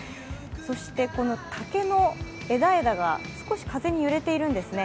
そしてこの竹の枝が少し風に揺れているんですね。